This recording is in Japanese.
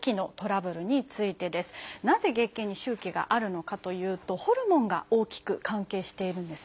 なぜ月経に周期があるのかというとホルモンが大きく関係しているんですね。